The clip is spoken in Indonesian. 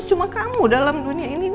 cuma kamu dalam dunia ini